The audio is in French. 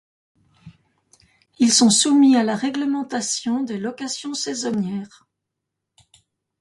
Ils sont soumis à la réglementation des locations saisonnières.